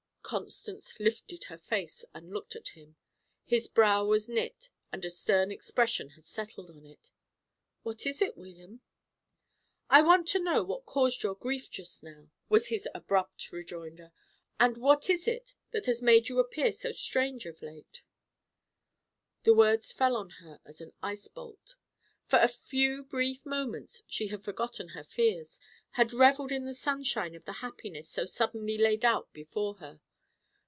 Constance lifted her face and looked at him. His brow was knit, and a stern expression had settled on it. "What is it, William?" "I want to know what caused your grief just now," was his abrupt rejoinder. "And what is it that has made you appear so strange of late?" The words fell on her as an ice bolt. For a few brief moments she had forgotten her fears, had revelled in the sunshine of the happiness so suddenly laid out before her.